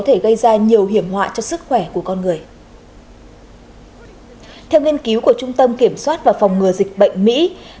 theo nghiên cứu của trung tâm kiểm soát và phòng ngừa dịch bệnh mỹ